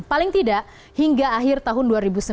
paling tidak hingga akhir tahun dua ribu sembilan belas